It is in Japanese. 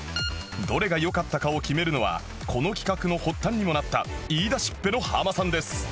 どれが良かったかを決めるのはこの企画の発端にもなった言いだしっぺのハマさんです